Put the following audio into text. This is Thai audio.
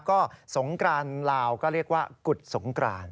ก็สงตรารณ์ลาวก็เรียกว่ากุฏสงตรารณ์